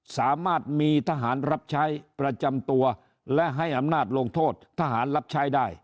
สามารถมีทหารรับใช้ประจำตัวและให้อำนาจลงโทษทหารรับใช้ได้